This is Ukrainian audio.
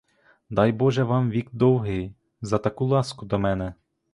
Дай боже вам вік довгий за таку ласку до мене.